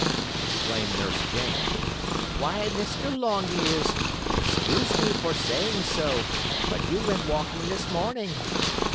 exclaimed Nurse Jane. "Why, Mr. Longears, excuse me for saying so, but you went walking this morning."